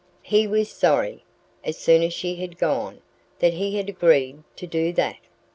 He was sorry, as soon as she had gone, that he had agreed to do that.